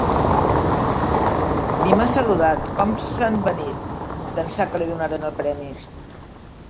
Ni m'ha saludat: com s'ha envanit, d'ençà que li donaren el premi.